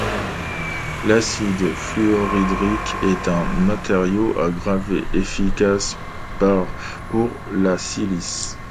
L'acide fluorhydrique est un matériau à graver efficace pour la silice.